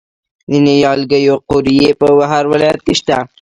د نیالګیو قوریې په هر ولایت کې شته.